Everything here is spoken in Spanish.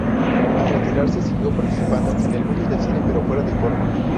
Al retirarse siguió participando en el mundo del cine pero fuera del porno.